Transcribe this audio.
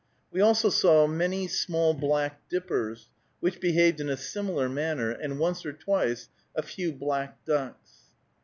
We also saw many small black dippers, which behaved in a similar manner, and, once or twice, a few black ducks.